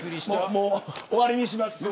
もう終わりにします。